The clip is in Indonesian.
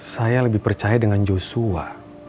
saya lebih percaya dengan joshua